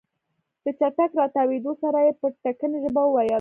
له چټک راتاوېدو سره يې په ټکنۍ ژبه وويل.